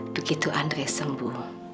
begitu andre sembuh